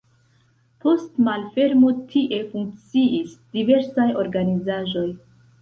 Post malfermo tie funkciis diversaj organizaĵoj.